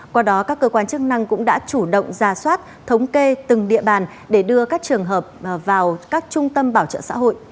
qua đó các cơ quan chức năng cũng đã chủ động ra soát thống kê từng địa bàn để đưa các trường hợp vào các trung tâm bảo trợ xã hội